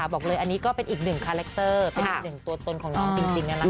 บอกเลยอันนี้ก็เป็นอีกหนึ่งคาแรคเตอร์เป็นอีกหนึ่งตัวตนของน้องจริง